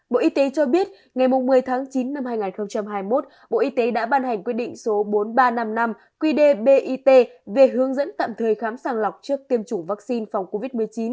bộ y tế cho biết ngày một mươi tháng chín năm hai nghìn hai mươi một bộ y tế đã ban hành quy định số bốn nghìn ba trăm năm mươi năm qdbit về hướng dẫn tạm thời khám sàng lọc trước tiêm chủng vaccine phòng covid một mươi chín